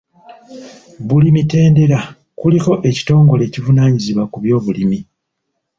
Buli mitendera kuliko ekitongole ekivunaanyizibwa ku by'obulimi.